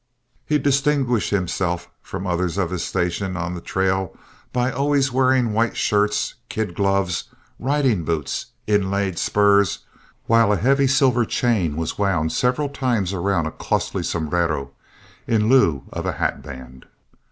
He distinguished himself from others of his station on the trail by always wearing white shirts, kid gloves, riding boots, inlaid spurs, while a heavy silver chain was wound several times round a costly sombrero in lieu of a hatband.